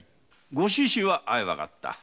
ご趣旨は相わかった。